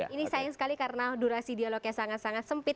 ini sayang sekali karena durasi dialognya sangat sangat sempit